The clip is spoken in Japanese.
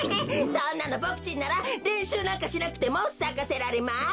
そんなのボクちんなられんしゅうなんかしなくてもさかせられます。